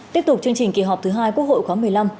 tiếp tục chương trình kỳ họp thứ hai quốc hội khóa một mươi năm